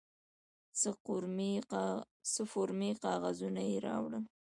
څه فورمې کاغذونه یې راوړل.